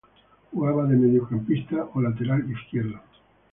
Jugaba de mediocampista o lateral izquierdo.